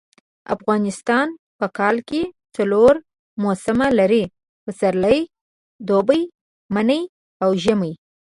افغانستان په کال کي څلور موسمه لري . پسرلی دوبی منی او ژمی